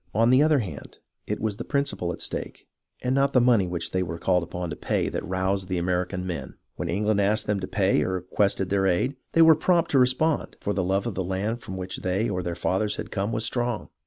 On the other hand, it was the principle at stake, and not the money which they were called upon to pay, that roused the American men. When England asked them to pay or requested their aid, they were prompt to respond, for the love of the land from which they or their fathers had come was strong.